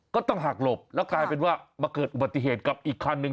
ก็ต้องหักหลบแล้วกลายเป็นว่ามาเกิดอุบัติเหตุกับอีกคันนึง